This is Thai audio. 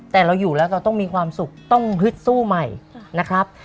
แต่เราอยู่แล้วเราต้องมีความสุขต้องฮึดสู้ใหม่นะครับ